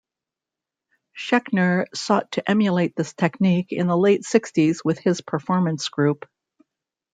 Schechner sought to emulate this technique in the late sixties with his Performance Group.